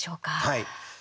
はい。